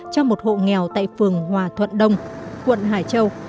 cho một hộ nghèo tại phường hòa thuận đông quận hải châu